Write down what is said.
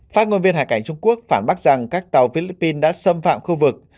phát ngôn viên hải cảnh trung quốc phản bác rằng các tàu philippines đã xâm phạm khu vực